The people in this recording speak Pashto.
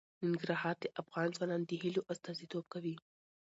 ننګرهار د افغان ځوانانو د هیلو استازیتوب کوي.